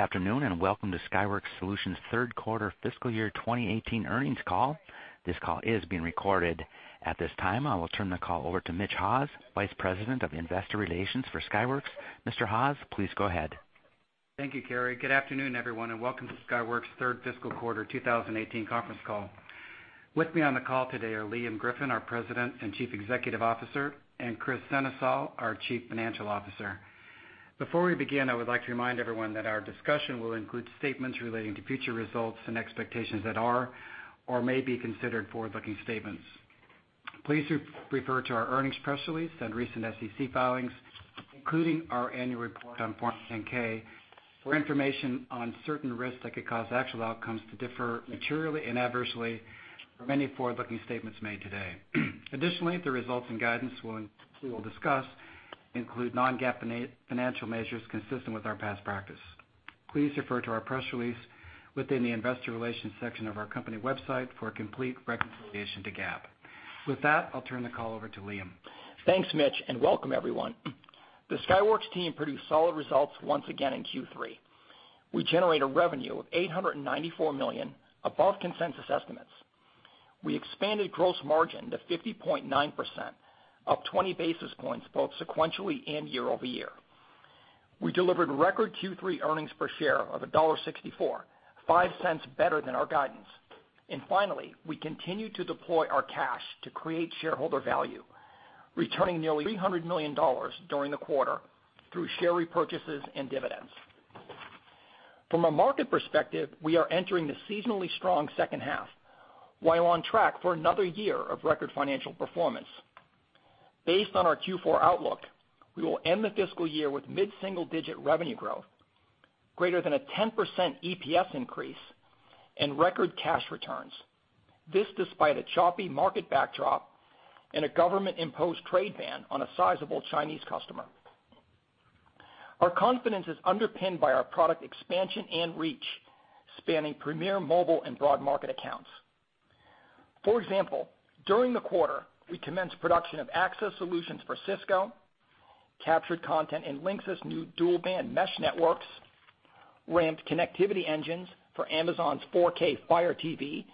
Good afternoon, and welcome to Skyworks Solutions' third quarter fiscal year 2018 earnings call. This call is being recorded. At this time, I will turn the call over to Mitch Haws, Vice President of Investor Relations for Skyworks. Mr. Haws, please go ahead. Thank you, Gary. Good afternoon, everyone, and welcome to Skyworks' third fiscal quarter 2018 conference call. With me on the call today are Liam Griffin, our President and Chief Executive Officer, and Kris Sennesael, our Chief Financial Officer. Before we begin, I would like to remind everyone that our discussion will include statements relating to future results and expectations that are or may be considered forward-looking statements. Please refer to our earnings press release and recent SEC filings, including our annual report on Form 10-K, for information on certain risks that could cause actual outcomes to differ materially and adversely from any forward-looking statements made today. Additionally, the results and guidance we will discuss include non-GAAP financial measures consistent with our past practice. Please refer to our press release within the investor relations section of our company website for a complete reconciliation to GAAP. With that, I'll turn the call over to Liam. Thanks, Mitch, and welcome everyone. The Skyworks team produced solid results once again in Q3. We generated revenue of $894 million above consensus estimates. We expanded gross margin to 50.9%, up 20 basis points, both sequentially and year-over-year. We delivered record Q3 earnings per share of $1.64, $0.05 better than our guidance. Finally, we continue to deploy our cash to create shareholder value, returning nearly $300 million during the quarter through share repurchases and dividends. From a market perspective, we are entering the seasonally strong second half, while on track for another year of record financial performance. Based on our Q4 outlook, we will end the fiscal year with mid-single-digit revenue growth, greater than a 10% EPS increase, and record cash returns. This despite a choppy market backdrop and a government-imposed trade ban on a sizable Chinese customer. Our confidence is underpinned by our product expansion and reach, spanning premier mobile and broad market accounts. For example, during the quarter, we commenced production of access solutions for Cisco, captured content in Linksys' new dual-band mesh networks, ramped connectivity engines for Amazon's 4K Fire TV,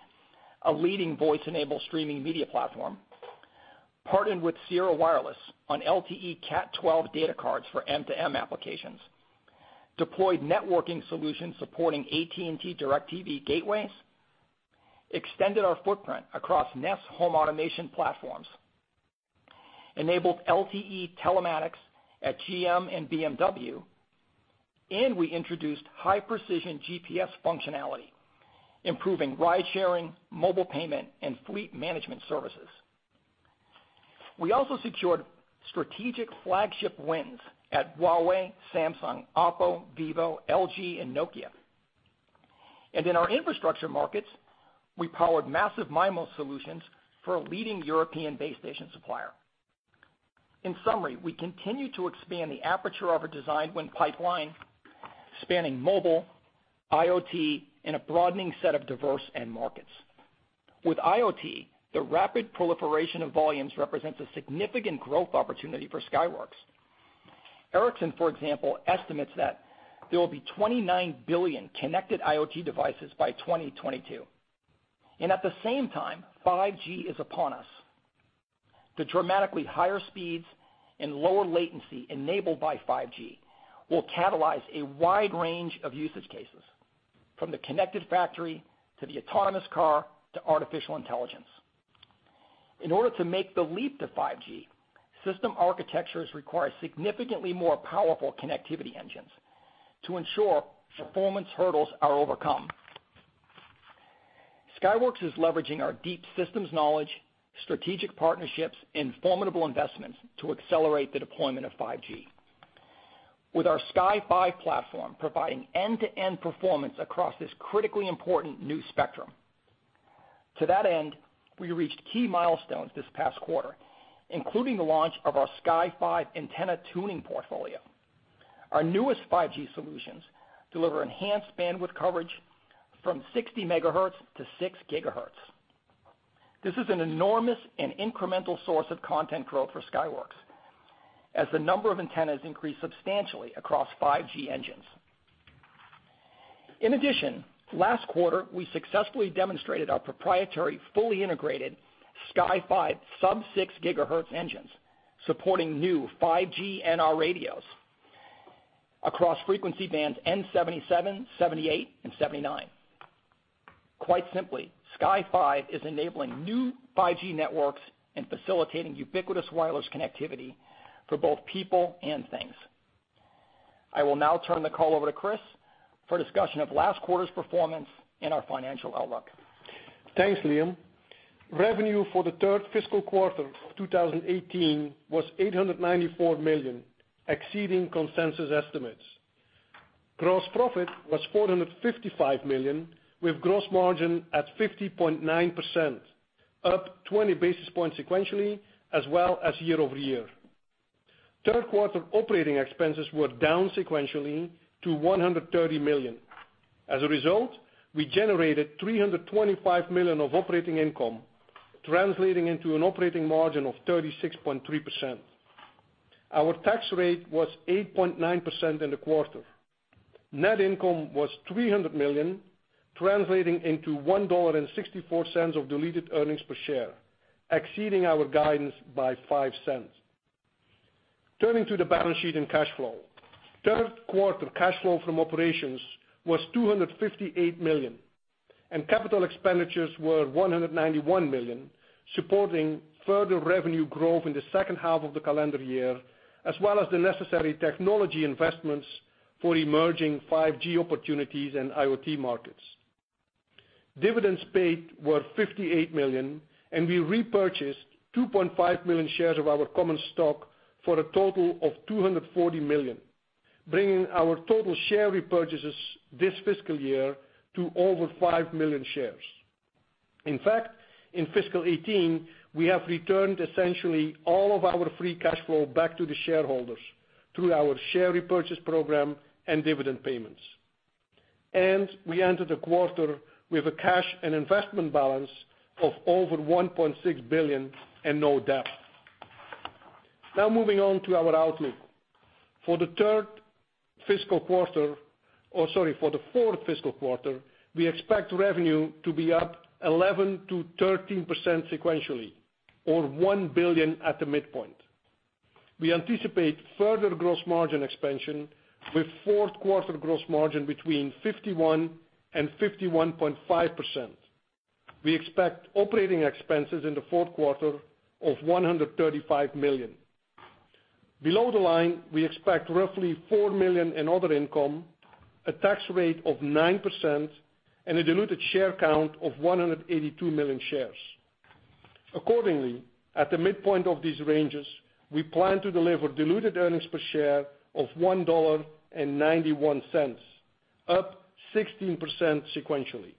a leading voice-enabled streaming media platform. Partnered with Sierra Wireless on LTE Cat 12 data cards for M2M applications, deployed networking solutions supporting AT&T DirecTV gateways, extended our footprint across Nest home automation platforms, enabled LTE telematics at GM and BMW, and we introduced high-precision GPS functionality, improving ride-sharing, mobile payment, and fleet management services. We also secured strategic flagship wins at Huawei, Samsung, Oppo, Vivo, LG, and Nokia. In our infrastructure markets, we powered massive MIMO solutions for a leading European base station supplier. In summary, we continue to expand the aperture of a design win pipeline spanning mobile, IoT, and a broadening set of diverse end markets. With IoT, the rapid proliferation of volumes represents a significant growth opportunity for Skyworks. Ericsson, for example, estimates that there will be 29 billion connected IoT devices by 2022. At the same time, 5G is upon us. The dramatically higher speeds and lower latency enabled by 5G will catalyze a wide range of usage cases, from the connected factory to the autonomous car to artificial intelligence. In order to make the leap to 5G, system architectures require significantly more powerful connectivity engines to ensure performance hurdles are overcome. Skyworks is leveraging our deep systems knowledge, strategic partnerships, and formidable investments to accelerate the deployment of 5G, with our Sky5 platform providing end-to-end performance across this critically important new spectrum. To that end, we reached key milestones this past quarter, including the launch of our Sky5 antenna tuning portfolio. Our newest 5G solutions deliver enhanced bandwidth coverage from 60 MHz to 6 GHz. This is an enormous and incremental source of content growth for Skyworks, as the number of antennas increase substantially across 5G engines. In addition, last quarter, we successfully demonstrated our proprietary, fully integrated Sky5 sub-6 GHz engines supporting new 5G NR radios across frequency bands n77, n78, and n79. Quite simply, Sky5 is enabling new 5G networks and facilitating ubiquitous wireless connectivity for both people and things. I will now turn the call over to Kris for a discussion of last quarter's performance and our financial outlook. Thanks, Liam. Revenue for the third fiscal quarter of 2018 was $894 million, exceeding consensus estimates. Gross profit was $455 million, with gross margin at 50.9%, up 20 basis points sequentially as well as year-over-year. Third quarter operating expenses were down sequentially to $130 million. As a result, we generated $325 million of operating income, translating into an operating margin of 36.3%. Our tax rate was 8.9% in the quarter. Net income was $300 million, translating into $1.64 of diluted earnings per share, exceeding our guidance by $0.05. Turning to the balance sheet and cash flow. Third quarter cash flow from operations was $258 million, and CapEx were $191 million, supporting further revenue growth in the second half of the calendar year, as well as the necessary technology investments for emerging 5G opportunities and IoT markets. Dividends paid were $58 million, and we repurchased 2.5 million shares of our common stock for a total of $240 million, bringing our total share repurchases this fiscal year to over 5 million shares. In fact, in fiscal 2018, we have returned essentially all of our free cash flow back to the shareholders through our share repurchase program and dividend payments. We entered the quarter with a cash and investment balance of over $1.6 billion and no debt. Now moving on to our outlook. For the fourth fiscal quarter, we expect revenue to be up 11%-13% sequentially, or $1 billion at the midpoint. We anticipate further gross margin expansion, with fourth quarter gross margin between 51%-51.5%. We expect operating expenses in the fourth quarter of $135 million. Below the line, we expect roughly $4 million in other income, a tax rate of 9%, and a diluted share count of 182 million shares. Accordingly, at the midpoint of these ranges, we plan to deliver diluted earnings per share of $1.91, up 16% sequentially.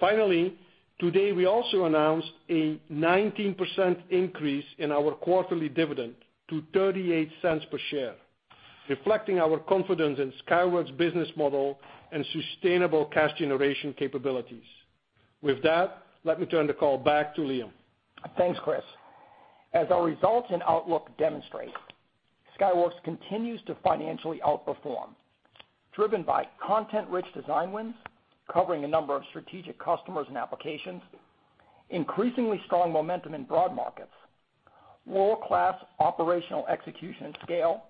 Finally, today we also announced a 19% increase in our quarterly dividend to $0.38 per share, reflecting our confidence in Skyworks' business model and sustainable cash generation capabilities. With that, let me turn the call back to Liam. Thanks, Kris. As our results and outlook demonstrate, Skyworks continues to financially outperform, driven by content-rich design wins covering a number of strategic customers and applications, increasingly strong momentum in broad markets, world-class operational execution and scale,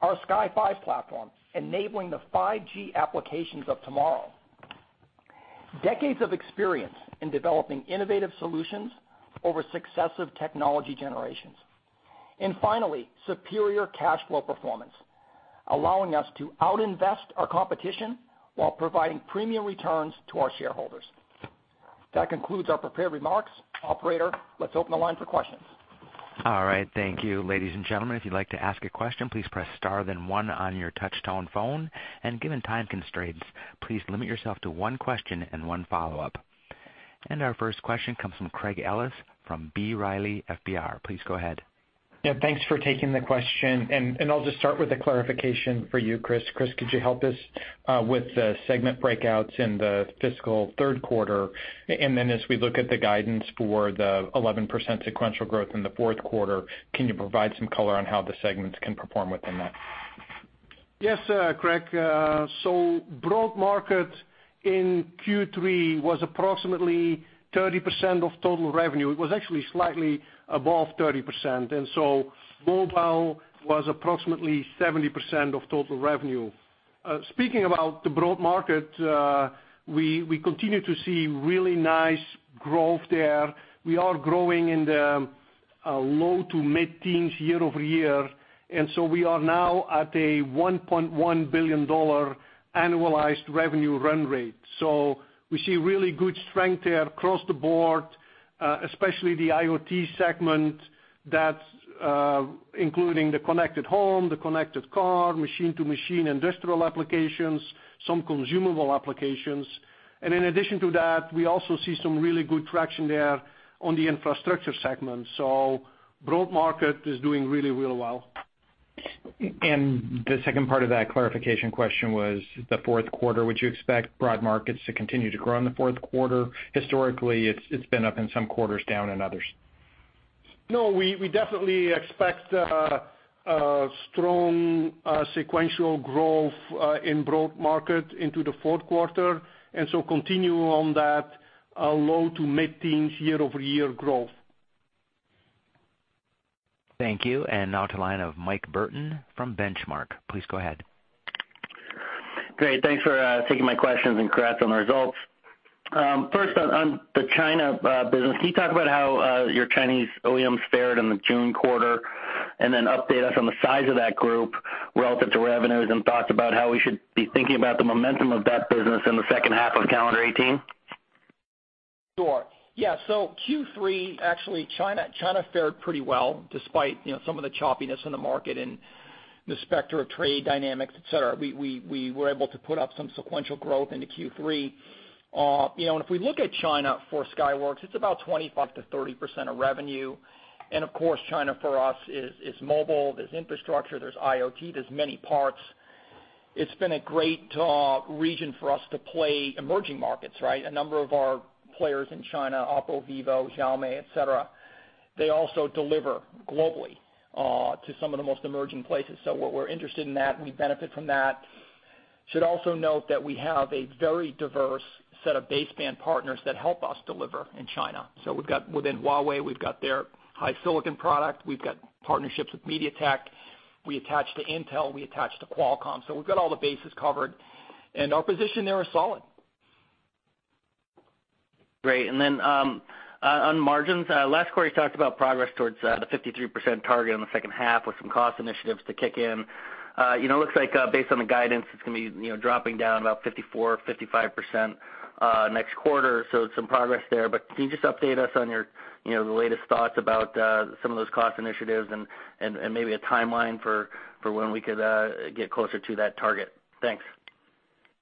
our Sky5 platform enabling the 5G applications of tomorrow. Decades of experience in developing innovative solutions over successive technology generations. Finally, superior cash flow performance, allowing us to out-invest our competition while providing premium returns to our shareholders. That concludes our prepared remarks. Operator, let's open the line for questions. All right, thank you. Ladies and gentlemen, if you'd like to ask a question, please press star then one on your touchtone phone, given time constraints, please limit yourself to one question and one follow-up. Our first question comes from Craig Ellis from B. Riley FBR. Please go ahead. Thanks for taking the question, I'll just start with a clarification for you, Kris. Kris, could you help us with the segment breakouts in the fiscal third quarter? As we look at the guidance for the 11% sequential growth in the fourth quarter, can you provide some color on how the segments can perform within that? Yes, Craig. Broad market in Q3 was approximately 30% of total revenue. It was actually slightly above 30%, mobile was approximately 70% of total revenue. Speaking about the broad market, we continue to see really nice growth there. We are growing in the low to mid-teens year-over-year, we are now at a $1.1 billion annualized revenue run rate. We see really good strength there across the board, especially the IoT segment that's including the connected home, the connected car, machine-to-machine industrial applications, some consumable applications. In addition to that, we also see some really good traction there on the infrastructure segment. Broad market is doing really well. The second part of that clarification question was the fourth quarter. Would you expect broad markets to continue to grow in the fourth quarter? Historically, it's been up in some quarters, down in others. No, we definitely expect strong sequential growth in broad market into the fourth quarter, continue on that low to mid-teens year-over-year growth. Thank you. Now to line of Mike Burton from Benchmark. Please go ahead. Great. Thanks for taking my questions, congrats on the results. First on the China business, can you talk about how your Chinese OEMs fared in the June quarter, then update us on the size of that group relative to revenues and thoughts about how we should be thinking about the momentum of that business in the second half of calendar 2018? Sure. Yeah. Q3, actually, China fared pretty well despite some of the choppiness in the market and the specter of trade dynamics, et cetera. We were able to put up some sequential growth into Q3. If we look at China for Skyworks, it's about 25%-30% of revenue. Of course, China for us is mobile. There's infrastructure, there's IoT, there's many parts. It's been a great region for us to play emerging markets, right? A number of our players in China, Oppo, Vivo, Xiaomi, et cetera, they also deliver globally to some of the most emerging places. We're interested in that, and we benefit from that. Should also note that we have a very diverse set of baseband partners that help us deliver in China. Within Huawei, we've got their HiSilicon product, we've got partnerships with MediaTek, we attach to Intel, we attach to Qualcomm. We've got all the bases covered, and our position there is solid. Great. Then, on margins, last quarter you talked about progress towards the 53% target on the second half with some cost initiatives to kick in. It looks like based on the guidance, it's going to be dropping down about 54% or 55% next quarter. Some progress there, but can you just update us on your latest thoughts about some of those cost initiatives and maybe a timeline for when we could get closer to that target? Thanks.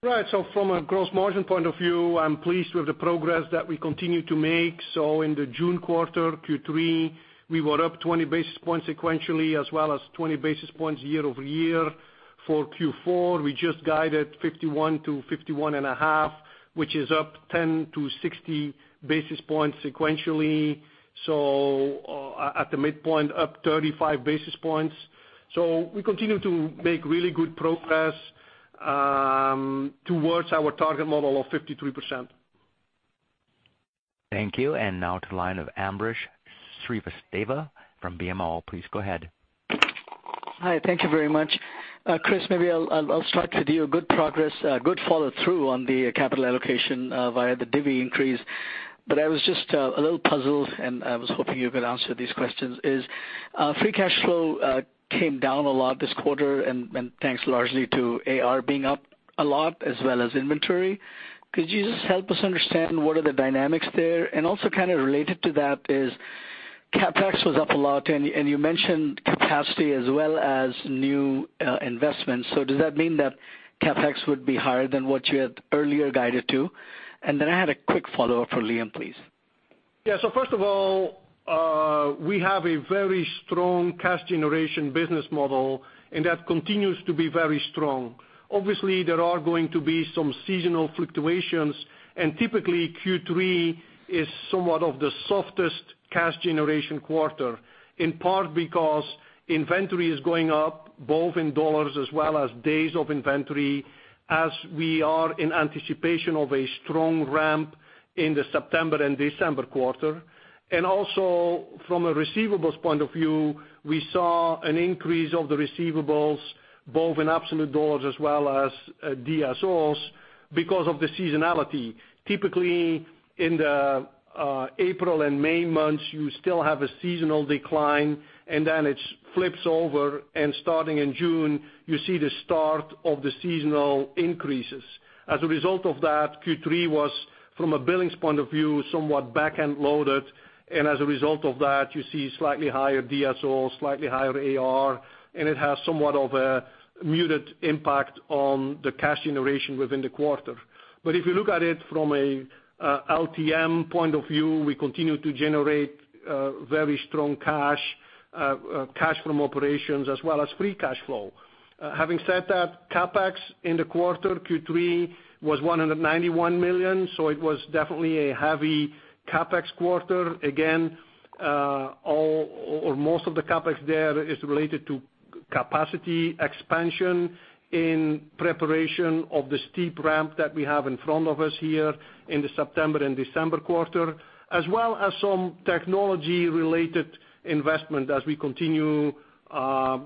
Right. From a gross margin point of view, I'm pleased with the progress that we continue to make. In the June quarter, Q3, we were up 20 basis points sequentially as well as 20 basis points year-over-year. For Q4, we just guided 51% to 51 and a half%, which is up 10-60 basis points sequentially. At the midpoint, up 35 basis points. We continue to make really good progress towards our target model of 53%. Thank you. Now to the line of Ambrish Srivastava from BMO. Please go ahead. Hi. Thank you very much. Kris, maybe I'll start with you. Good progress, good follow through on the capital allocation via the divvy increase. I was just a little puzzled, and I was hoping you could answer these questions is, free cash flow came down a lot this quarter, and thanks largely to AR being up a lot as well as inventory. Could you just help us understand what are the dynamics there? Also kind of related to that is, CapEx was up a lot, and you mentioned capacity as well as new investments. Does that mean that CapEx would be higher than what you had earlier guided to? Then I had a quick follow-up for Liam, please. First of all, we have a very strong cash generation business model, and that continues to be very strong. Obviously, there are going to be some seasonal fluctuations, and typically Q3 is somewhat of the softest cash generation quarter, in part because inventory is going up both in $ as well as days of inventory as we are in anticipation of a strong ramp in the September and December quarter. Also from a receivables point of view, we saw an increase of the receivables both in absolute $ as well as DSOs because of the seasonality. Typically, in the April and May months, you still have a seasonal decline, then it flips over and starting in June, you see the start of the seasonal increases. As a result of that, Q3 was, from a billings point of view, somewhat back-end loaded, and as a result of that, you see slightly higher DSO, slightly higher AR, and it has somewhat of a muted impact on the cash generation within the quarter. If you look at it from a LTM point of view, we continue to generate very strong cash from operations as well as free cash flow. Having said that, CapEx in the quarter Q3 was $191 million, it was definitely a heavy CapEx quarter. Again, all or most of the CapEx there is related to capacity expansion in preparation of the steep ramp that we have in front of us here in the September and December quarter, as well as some technology-related investment as we continue to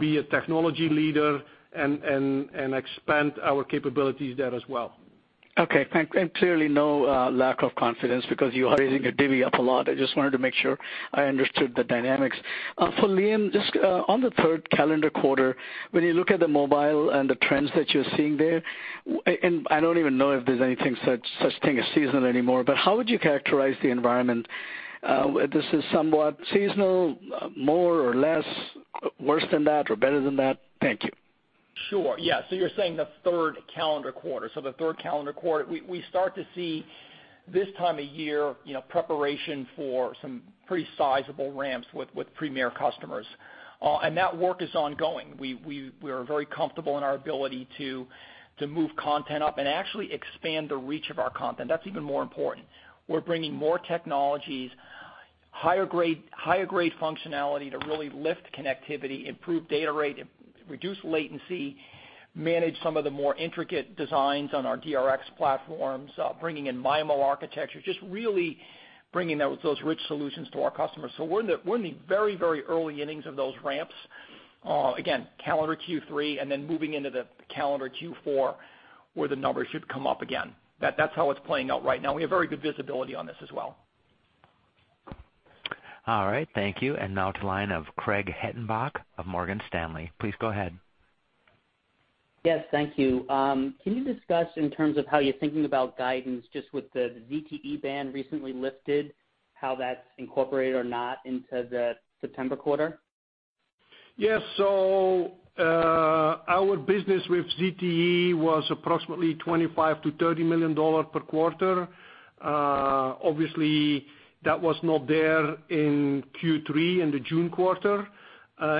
be a technology leader and expand our capabilities there as well. Okay, thanks. Clearly no lack of confidence because you are raising your divvy up a lot. I just wanted to make sure I understood the dynamics. For Liam, just on the third calendar quarter, when you look at the mobile and the trends that you're seeing there, I don't even know if there's such thing as seasonal anymore, how would you characterize the environment? This is somewhat seasonal, more or less worse than that or better than that? Thank you. Sure. Yeah. You're saying the third calendar quarter. The third calendar quarter, we start to see this time of year preparation for some pretty sizable ramps with premier customers. That work is ongoing. We are very comfortable in our ability to move content up and actually expand the reach of our content. That's even more important. We're bringing more technologies, higher grade functionality to really lift connectivity, improve data rate, reduce latency, manage some of the more intricate designs on our DRx platforms, bringing in MIMO architecture, just really bringing those rich solutions to our customers. We're in the very early innings of those ramps. Again, calendar Q3, then moving into the calendar Q4 where the numbers should come up again. That's how it's playing out right now. We have very good visibility on this as well. All right. Thank you. Now to line of Craig Hettenbach of Morgan Stanley. Please go ahead. Yes, thank you. Can you discuss in terms of how you're thinking about guidance just with the ZTE ban recently lifted, how that's incorporated or not into the September quarter? Yes. Our business with ZTE was approximately $25 million-$30 million per quarter. That was not there in Q3 in the June quarter.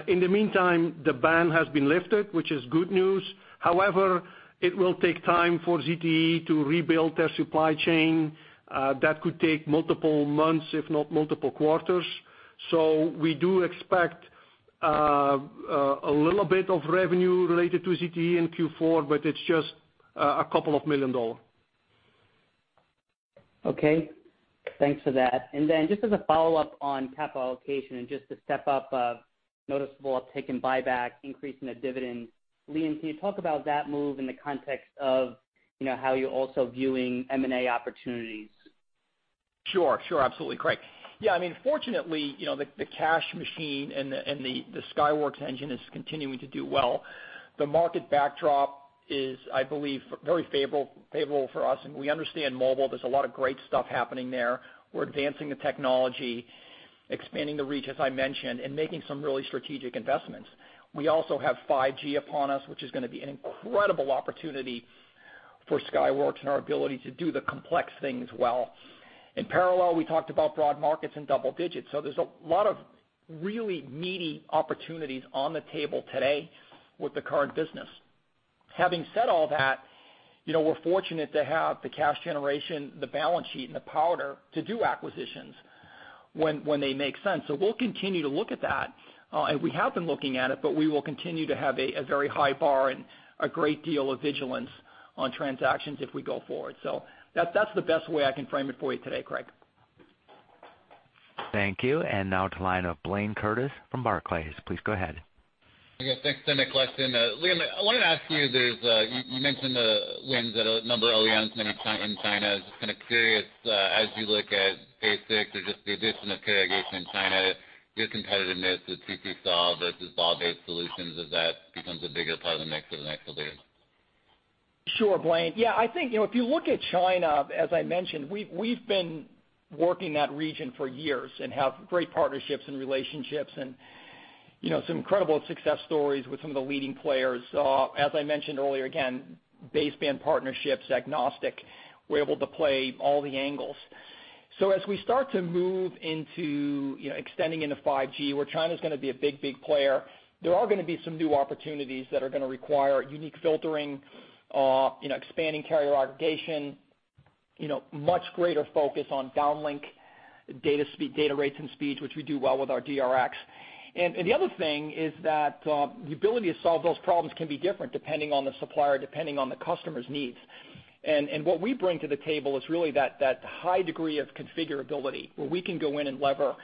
In the meantime, the ban has been lifted, which is good news. However, it will take time for ZTE to rebuild their supply chain. That could take multiple months, if not multiple quarters. We do expect a little bit of revenue related to ZTE in Q4, but it's just a couple of million dollars. Okay. Thanks for that. Then just as a follow-up on capital allocation and just to step up noticeable uptake in buyback, increase in the dividend. Liam, can you talk about that move in the context of how you're also viewing M&A opportunities? Sure. Absolutely, Craig. Fortunately, the cash machine and the Skyworks engine is continuing to do well. The market backdrop is, I believe, very favorable for us, and we understand mobile. There's a lot of great stuff happening there. We're advancing the technology, expanding the reach, as I mentioned, and making some really strategic investments. We also have 5G upon us, which is going to be an incredible opportunity for Skyworks and our ability to do the complex things well. In parallel, we talked about broad markets in double digits. There's a lot of really meaty opportunities on the table today with the current business. Having said all that, we're fortunate to have the cash generation, the balance sheet, and the powder to do acquisitions when they make sense. We'll continue to look at that, and we have been looking at it, but we will continue to have a very high bar and a great deal of vigilance on transactions if we go forward. That's the best way I can frame it for you today, Craig. Thank you. Now to the line of Blayne Curtis from Barclays. Please go ahead. Yes, thanks very much, Justin. Liam, I wanted to ask you mentioned the wins at a number of OEMs in China. Just kind of curious, as you look at basic or just the addition of carrier aggregation in China, your competitiveness with SiGe versus BAW-based solutions, does that becomes a bigger part of the mix over the next few years? Sure, Blayne. I think, if you look at China, as I mentioned, we've been working that region for years and have great partnerships and relationships and some incredible success stories with some of the leading players. As I mentioned earlier, again, baseband partnerships, agnostic, we're able to play all the angles. As we start to move into extending into 5G, where China's going to be a big player, there are going to be some new opportunities that are going to require unique filtering, expanding carrier aggregation, much greater focus on downlink data rates and speeds, which we do well with our DRx. The other thing is that the ability to solve those problems can be different depending on the supplier, depending on the customer's needs. What we bring to the table is really that high degree of configurability where we can go in and lever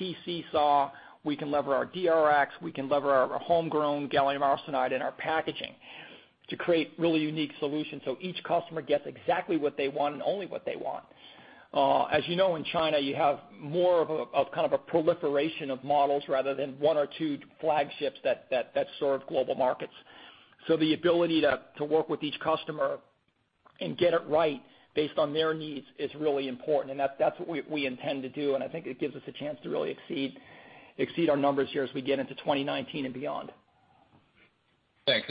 SiGe, we can lever our DRx, we can lever our homegrown gallium arsenide and our packaging to create really unique solutions so each customer gets exactly what they want and only what they want. As you know, in China, you have more of a kind of a proliferation of models rather than one or two flagships that serve global markets. The ability to work with each customer and get it right based on their needs is really important, and that's what we intend to do, and I think it gives us a chance to really exceed our numbers here as we get into 2019 and beyond. Thanks.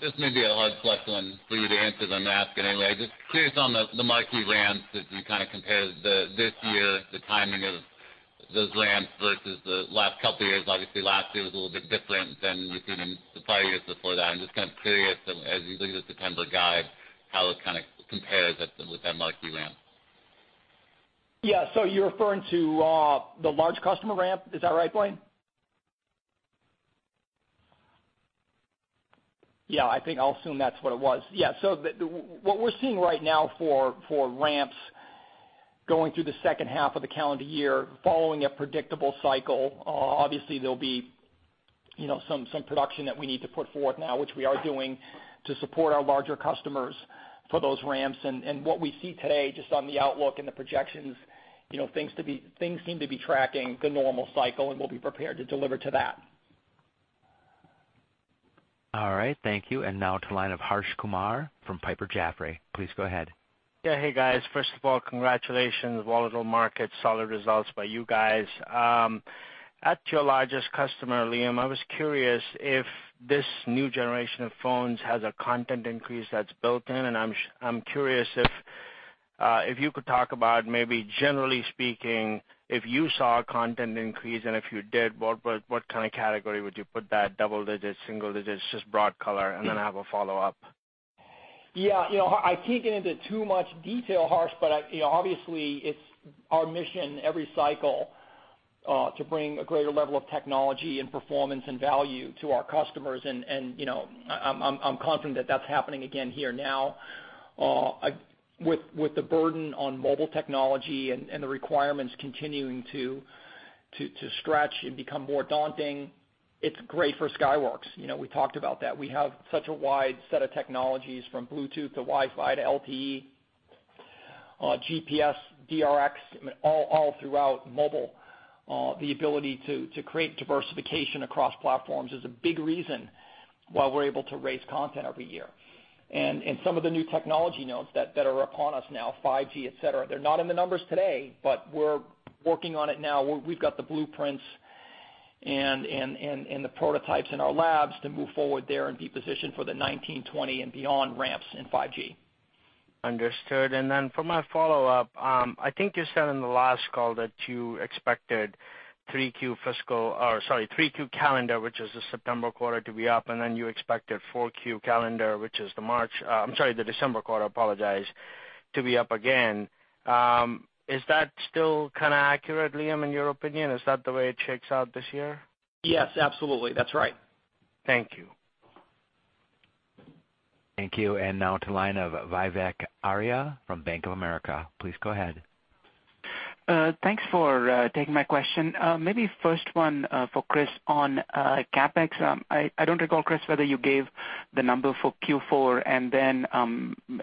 This may be a hard question for you to answer, then I'll ask it anyway. Just curious on the marquee ramps, as you kind of compare this year, the timing of those ramps versus the last couple of years. Obviously, last year was a little bit different than the previous five years before that. I'm just kind of curious, as you look at the September guide, how it kind of compares with that marquee ramp. You're referring to the large customer ramp, is that right, Blayne? I think I'll assume that's what it was. What we're seeing right now for ramps going through the second half of the calendar year following a predictable cycle. Obviously, there'll be some production that we need to put forth now, which we are doing to support our larger customers for those ramps. What we see today, just on the outlook and the projections, things seem to be tracking the normal cycle, and we'll be prepared to deliver to that. All right. Thank you. Now to the line of Harsh Kumar from Piper Jaffray. Please go ahead. Yeah. Hey, guys. First of all, congratulations. Volatile market, solid results by you guys. At your largest customer, Liam, I was curious if this new generation of phones has a content increase that's built in, and I'm curious if you could talk about maybe generally speaking, if you saw a content increase and if you did, what kind of category would you put that? Double digits, single digits, just broad color. Then I have a follow-up. Yeah. I can't get into too much detail, Harsh, but obviously, it's our mission every cycle to bring a greater level of technology and performance and value to our customers, and I'm confident that that's happening again here now. With the burden on mobile technology and the requirements continuing to stretch and become more daunting, it's great for Skyworks. We talked about that. We have such a wide set of technologies from Bluetooth to Wi-Fi to LTE, GPS, DRx, all throughout mobile. The ability to create diversification across platforms is a big reason While we're able to raise content every year. Some of the new technology nodes that are upon us now, 5G, et cetera, they're not in the numbers today, but we're working on it now. We've got the blueprints and the prototypes in our labs to move forward there and be positioned for the 2019, 2020 and beyond ramps in 5G. Understood. Then for my follow-up, I think you said in the last call that you expected three Q calendar, which is the September quarter to be up, and then you expected four Q calendar, which is the December quarter, to be up again. Is that still kind of accurate, Liam, in your opinion? Is that the way it shakes out this year? Yes, absolutely. That's right. Thank you. Thank you. Now to line of Vivek Arya from Bank of America. Please go ahead. Thanks for taking my question. Maybe first one for Kris on CapEx. I don't recall, Kris, whether you gave the number for Q4 and then,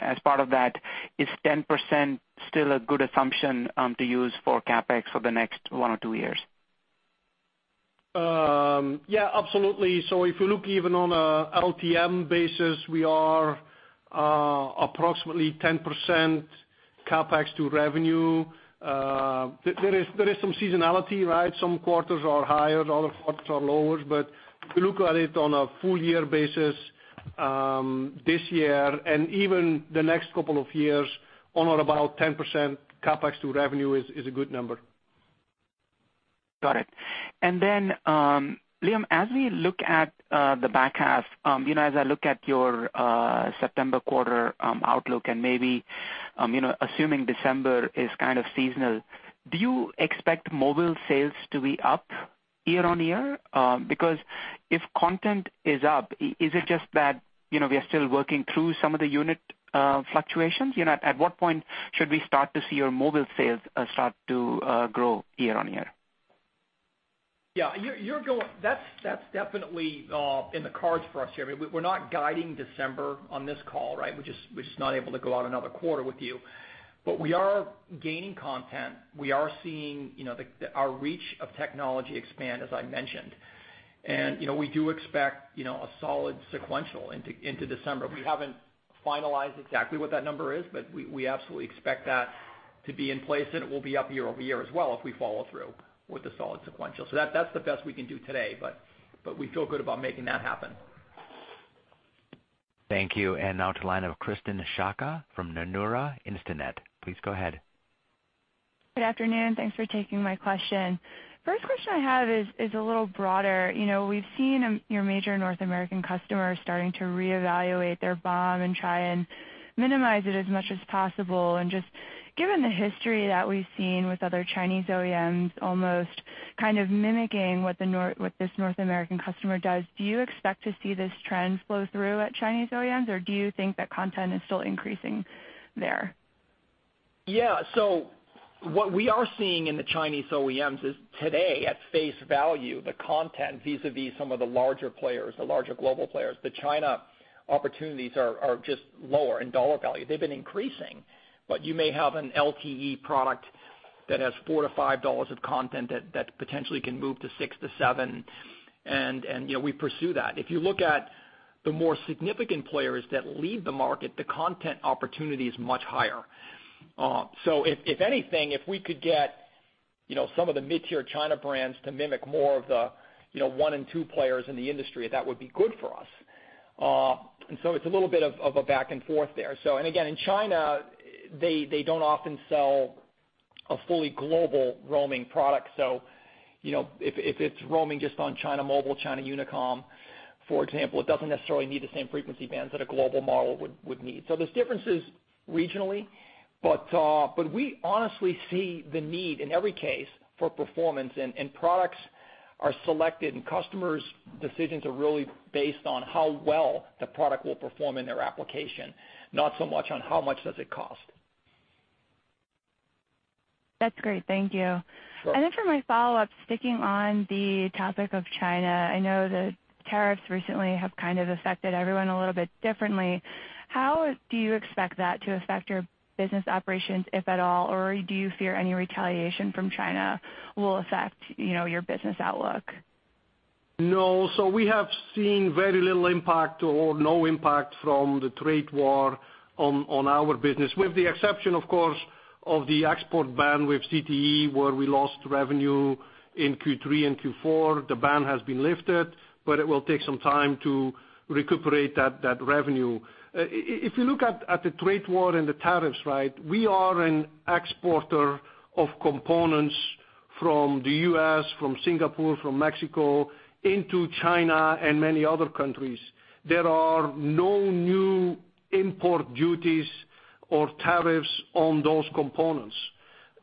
as part of that, is 10% still a good assumption to use for CapEx for the next one or two years? Yeah, absolutely. If you look even on a LTM basis, we are approximately 10% CapEx to revenue. There is some seasonality, right? Some quarters are higher, other quarters are lower. If you look at it on a full year basis, this year and even the next couple of years, on or about 10% CapEx to revenue is a good number. Got it. Then, Liam, as we look at the back half, as I look at your September quarter outlook and maybe assuming December is kind of seasonal, do you expect mobile sales to be up year-over-year? Because if content is up, is it just that we are still working through some of the unit fluctuations? At what point should we start to see your mobile sales start to grow year-over-year? That's definitely in the cards for us here. We're not guiding December on this call, right? We're just not able to go out another quarter with you. We are gaining content. We are seeing our reach of technology expand, as I mentioned. We do expect a solid sequential into December. We haven't finalized exactly what that number is, but we absolutely expect that to be in place, and it will be up year-over-year as well if we follow through with a solid sequential. That's the best we can do today, but we feel good about making that happen. Thank you. Now to line of Krysten Sciacca from Nomura Instinet. Please go ahead. Good afternoon. Thanks for taking my question. First question I have is a little broader. We've seen your major North American customers starting to reevaluate their BOM and try and minimize it as much as possible and just given the history that we've seen with other Chinese OEMs almost kind of mimicking what this North American customer does, do you expect to see this trend flow through at Chinese OEMs, or do you think that content is still increasing there? What we are seeing in the Chinese OEMs is today, at face value, the content vis-à-vis some of the larger players, the larger global players, the China opportunities are just lower in dollar value. They've been increasing, but you may have an LTE product that has $4-$5 of content that potentially can move to $6-$7, and we pursue that. If you look at the more significant players that lead the market, the content opportunity is much higher. If anything, if we could get some of the mid-tier China brands to mimic more of the one and two players in the industry, that would be good for us. It's a little bit of a back and forth there. Again, in China, they don't often sell a fully global roaming product. If it's roaming just on China Mobile, China Unicom, for example, it doesn't necessarily need the same frequency bands that a global model would need. There's differences regionally, but we honestly see the need in every case for performance and products are selected and customers' decisions are really based on how well the product will perform in their application, not so much on how much does it cost. That's great. Thank you. Sure. For my follow-up, sticking on the topic of China, I know the tariffs recently have kind of affected everyone a little bit differently. How do you expect that to affect your business operations, if at all? Or do you fear any retaliation from China will affect your business outlook? No. We have seen very little impact or no impact from the trade war on our business, with the exception, of course, of the export ban with ZTE, where we lost revenue in Q3 and Q4. The ban has been lifted, but it will take some time to recuperate that revenue. If you look at the trade war and the tariffs, right, we are an exporter of components from the U.S., from Singapore, from Mexico into China and many other countries. There are no new import duties or tariffs on those components,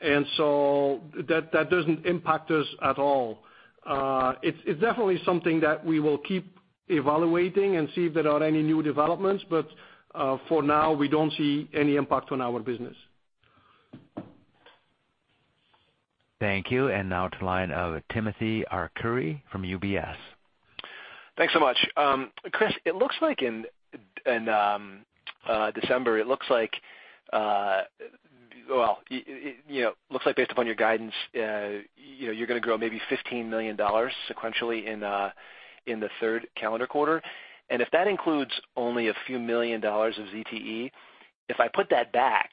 that doesn't impact us at all. It's definitely something that we will keep evaluating and see if there are any new developments, for now, we don't see any impact on our business. Thank you. Now to the line of Timothy Arcuri from UBS. Thanks so much. Kris, it looks like in December, it looks like based upon your guidance, you're going to grow maybe $15 million sequentially in the third calendar quarter. If that includes only a few million dollars of ZTE, if I put that back,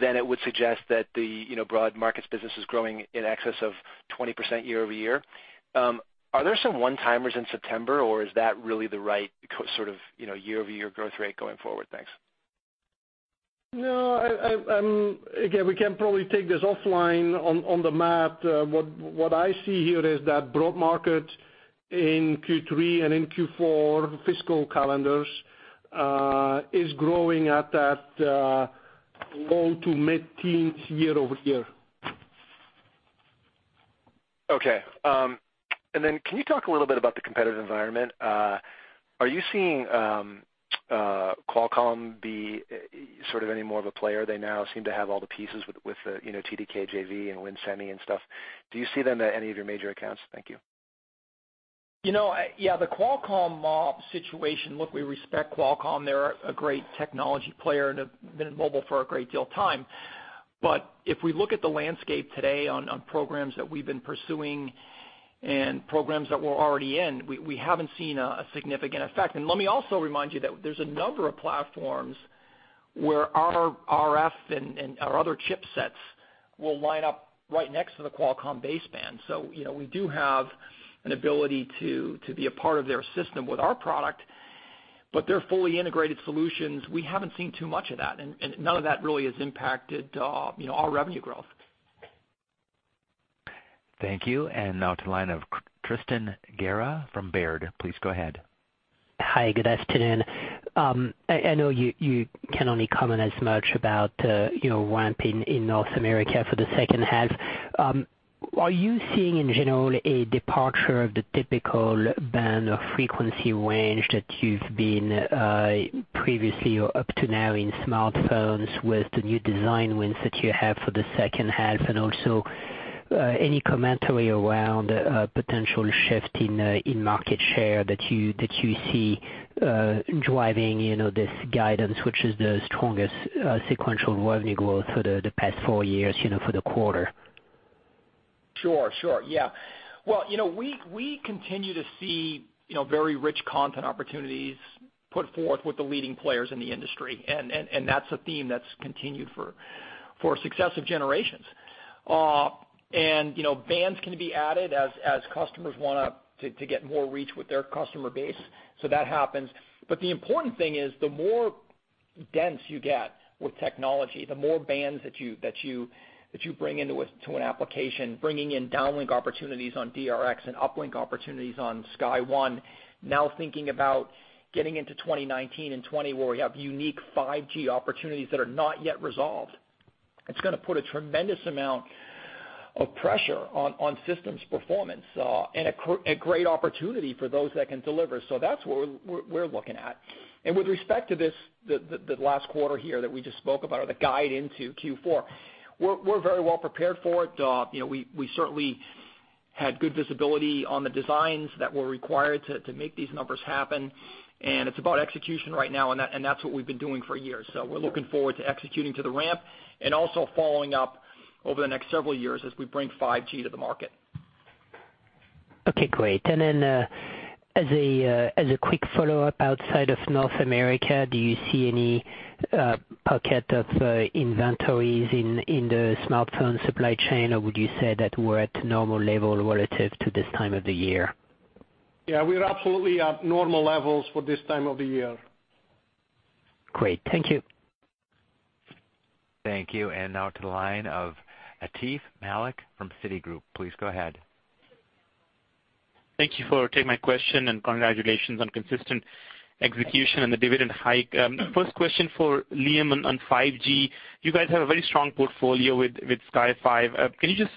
then it would suggest that the broad markets business is growing in excess of 20% year-over-year. Are there some one-timers in September, or is that really the right sort of year-over-year growth rate going forward? Thanks. No, again, we can probably take this offline on the math. What I see here is that broad market in Q3 and in Q4 fiscal calendars, is growing at that low to mid-teens year-over-year. Okay. Then can you talk a little bit about the competitive environment? Are you seeing Qualcomm be sort of any more of a player? They now seem to have all the pieces with TDK JV and Winsemi and stuff. Do you see them at any of your major accounts? Thank you. Yeah. The Qualcomm mobile situation, look, we respect Qualcomm. They're a great technology player and have been in mobile for a great deal of time. If we look at the landscape today on programs that we've been pursuing and programs that we're already in, we haven't seen a significant effect. Let me also remind you that there's a number of platforms where our RF and our other chipsets will line up right next to the Qualcomm baseband. We do have an ability to be a part of their system with our product, but their fully integrated solutions, we haven't seen too much of that, and none of that really has impacted our revenue growth. Thank you. Now to the line of Tristan Gerra from Baird. Please go ahead. Hi, good afternoon. I know you can only comment as much about ramp in North America for the second half. Are you seeing, in general, a departure of the typical band or frequency range that you've been previously, or up to now in smartphones with the new design wins that you have for the second half? Also, any commentary around potential shift in market share that you see driving this guidance, which is the strongest sequential revenue growth for the past four years for the quarter? Sure. Yeah. Well, we continue to see very rich content opportunities put forth with the leading players in the industry, and that's a theme that's continued for successive generations. Bands can be added as customers want to get more reach with their customer base. That happens. The important thing is, the more dense you get with technology, the more bands that you bring into an application, bringing in downlink opportunities on DRx and uplink opportunities on SkyOne. Now thinking about getting into 2019 and 2020, where we have unique 5G opportunities that are not yet resolved. It's going to put a tremendous amount of pressure on systems performance, and a great opportunity for those that can deliver. That's what we're looking at. With respect to the last quarter here that we just spoke about or the guide into Q4, we're very well prepared for it. We certainly had good visibility on the designs that were required to make these numbers happen, and it's about execution right now, and that's what we've been doing for years. We're looking forward to executing to the ramp and also following up over the next several years as we bring 5G to the market. Okay, great. As a quick follow-up outside of North America, do you see any pocket of inventories in the smartphone supply chain, or would you say that we're at normal level relative to this time of the year? Yeah, we're absolutely at normal levels for this time of the year. Great. Thank you. Thank you. Now to the line of Atif Malik from Citigroup. Please go ahead. Thank you for taking my question and congratulations on consistent execution and the dividend hike. First question for Liam on 5G. You guys have a very strong portfolio with Sky5. Can you just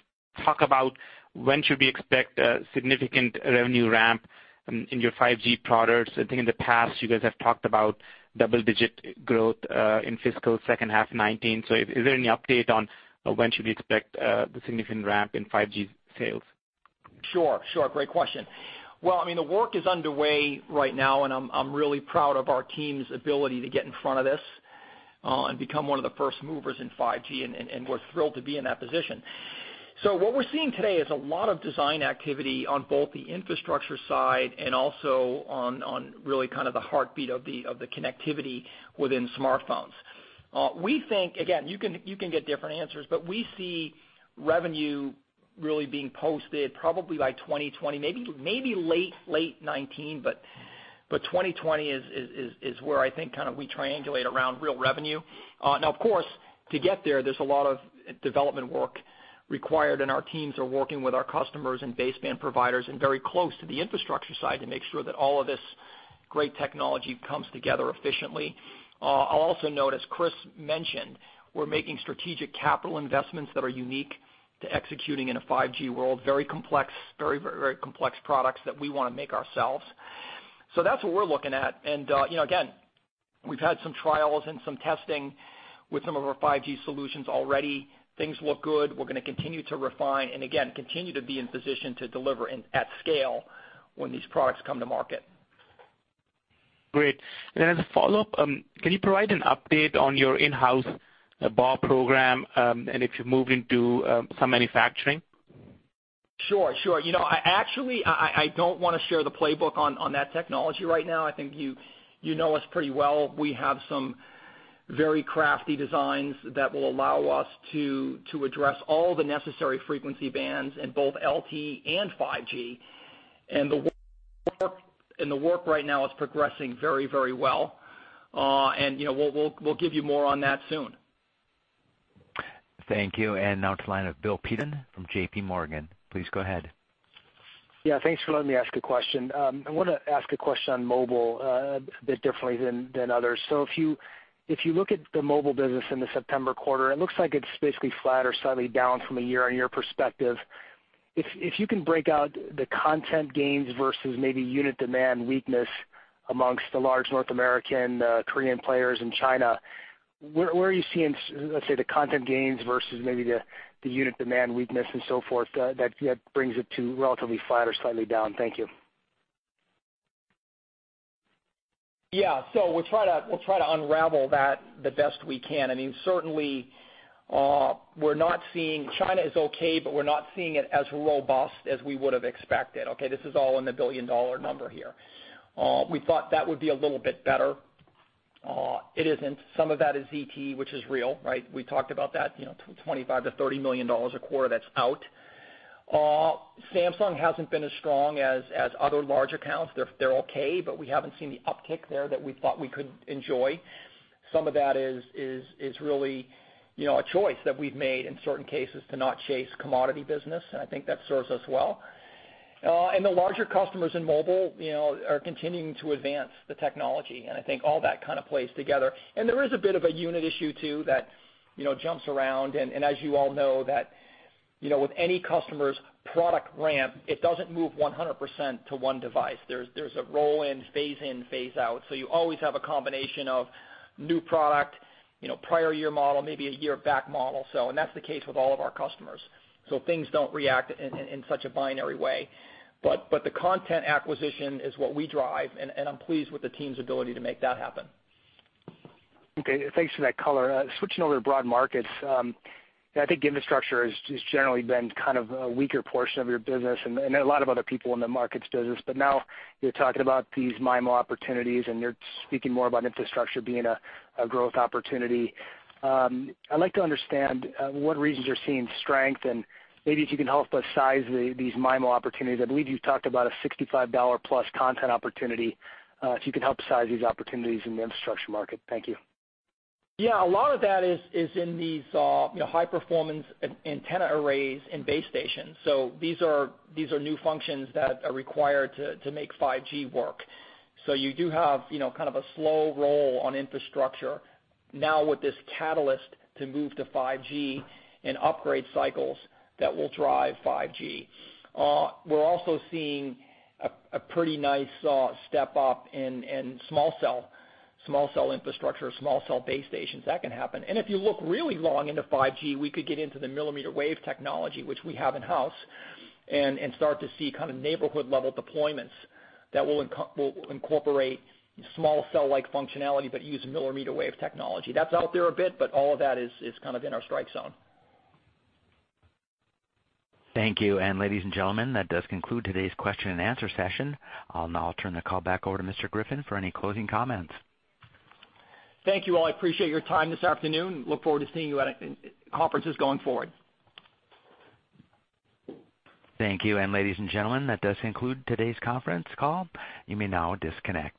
talk about when should we expect a significant revenue ramp in your 5G products? I think in the past you guys have talked about double-digit growth in fiscal second half 2019. Is there any update on when should we expect the significant ramp in 5G sales? Great question. The work is underway right now, and I'm really proud of our team's ability to get in front of this, and become one of the first movers in 5G, and we're thrilled to be in that position. What we're seeing today is a lot of design activity on both the infrastructure side and also on really kind of the heartbeat of the connectivity within smartphones. We think, again, you can get different answers, but we see revenue really being posted probably by 2020, maybe late 2019, but 2020 is where I think kind of we triangulate around real revenue. Of course, to get there's a lot of development work required, and our teams are working with our customers and baseband providers and very close to the infrastructure side to make sure that all of this great technology comes together efficiently. I'll also note, as Kris mentioned, we're making strategic capital investments that are unique to executing in a 5G world. Very complex products that we want to make ourselves. That's what we're looking at. Again, we've had some trials and some testing with some of our 5G solutions already. Things look good. We're going to continue to refine and again, continue to be in position to deliver at scale when these products come to market. Great. Then as a follow-up, can you provide an update on your in-house BAW program, and if you've moved into some manufacturing? Sure. Actually, I don't want to share the playbook on that technology right now. I think you know us pretty well. We have some very crafty designs that will allow us to address all the necessary frequency bands in both LTE and 5G. The work right now is progressing very well. We'll give you more on that soon. Thank you. Now to the line of Bill Peterson from JPMorgan, please go ahead. Yeah, thanks for letting me ask a question. I want to ask a question on mobile, a bit differently than others. If you look at the mobile business in the September quarter, it looks like it's basically flat or slightly down from a year-on-year perspective. If you can break out the content gains versus maybe unit demand weakness amongst the large North American, Korean players in China, where are you seeing, let's say, the content gains versus maybe the unit demand weakness and so forth that brings it to relatively flat or slightly down? Thank you. Yeah. We'll try to unravel that the best we can. Certainly, China is okay, we're not seeing it as robust as we would've expected. Okay. This is all in the billion-dollar number here. We thought that would be a little bit better. It isn't. Some of that is ZTE, which is real, right? We talked about that, $25 million-$30 million a quarter, that's out. Samsung hasn't been as strong as other large accounts. They're okay, we haven't seen the uptick there that we thought we could enjoy. Some of that is really a choice that we've made in certain cases to not chase commodity business, I think that serves us well. The larger customers in mobile are continuing to advance the technology, I think all that kind of plays together. There is a bit of a unit issue, too, that jumps around, as you all know that with any customer's product ramp, it doesn't move 100% to one device. There's a roll-in, phase in, phase out. You always have a combination of new product, prior year model, maybe a year back model, and that's the case with all of our customers. Things don't react in such a binary way. The content acquisition is what we drive, I'm pleased with the team's ability to make that happen. Okay. Thanks for that color. Switching over to broad markets. I think infrastructure has just generally been kind of a weaker portion of your business and a lot of other people in the markets business. Now you're talking about these MIMO opportunities, you're speaking more about infrastructure being a growth opportunity. I'd like to understand what regions you're seeing strength, maybe if you can help us size these MIMO opportunities. I believe you've talked about a $65 plus content opportunity, if you could help size these opportunities in the infrastructure market. Thank you. Yeah. A lot of that is in these high-performance antenna arrays and base stations. These are new functions that are required to make 5G work. You do have kind of a slow roll on infrastructure now with this catalyst to move to 5G and upgrade cycles that will drive 5G. We're also seeing a pretty nice step up in small cell infrastructure, small cell base stations, that can happen. If you look really long into 5G, we could get into the millimeter wave technology, which we have in-house, start to see kind of neighborhood-level deployments that will incorporate small cell-like functionality but use millimeter wave technology. That's out there a bit, all of that is kind of in our strike zone. Thank you. Ladies and gentlemen, that does conclude today's question and answer session. I'll now turn the call back over to Mr. Griffin for any closing comments. Thank you all. I appreciate your time this afternoon. Look forward to seeing you at conferences going forward. Thank you. Ladies and gentlemen, that does conclude today's conference call. You may now disconnect.